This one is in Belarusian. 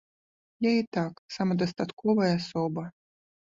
Я і так самадастатковая асоба.